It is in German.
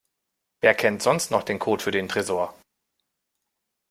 Wer kennt sonst noch den Code für den Tresor?